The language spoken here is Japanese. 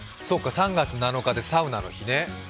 そっか、３月７日でサウナの日ね。